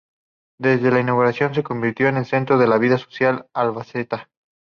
Desde su inauguración se convirtió en el centro de la vida social albaceteña.